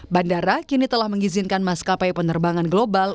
bandara kini telah mengizinkan maskapai penerbangan global